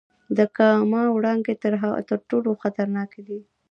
د ګاما وړانګې تر ټولو خطرناکې دي.